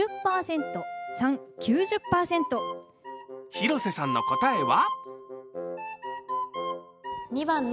広瀬さんの答えは？